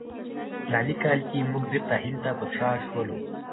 په فلاني کال کې موږ بیرته هند ته پر شا شولو.